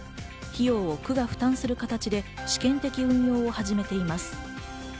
費用は区が負担する形で試験的運用を始めています。